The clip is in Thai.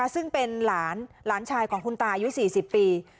ซึ่งเป็นหลานชายของคุณตายุ๔๐ปี